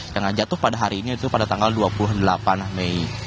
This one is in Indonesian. yang jatuh pada hari ini yaitu pada tanggal dua puluh delapan mei